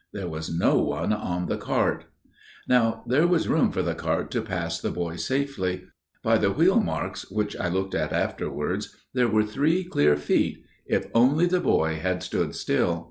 There was no one on the cart. "Now there was room for the cart to pass the boy safely. By the wheelmarks, which I looked at afterwards, there were three clear feet––if only the boy had stood still.